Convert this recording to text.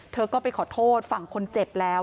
เธอก็ไปขอโทษฝั่งคนเจ็บแล้ว